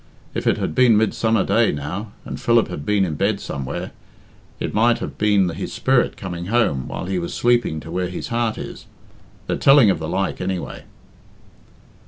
If it had been Midsummer day now, and Philip had been in bed somewhere, it might have been his spirit coming home while he was sleeping to where his heart is they're telling of the like, anyway."